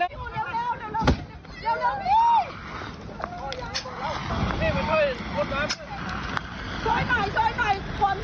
แต่เขารู้ตัวนะแต่เขาออกมาไม่ได้